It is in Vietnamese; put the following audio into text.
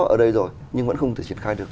ở đây rồi nhưng vẫn không thể triển khai được